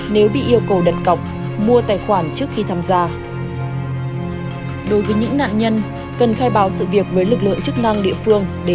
để gửi đến cơ quan chức năng nhằm đảm bảo quyền lợi của mình